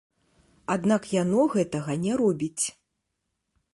Аднак яно гэтага не робіць.